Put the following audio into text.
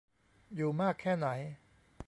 อยู่มากแค่ไหน